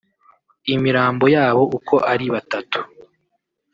Imirambo yabo uko ari batatu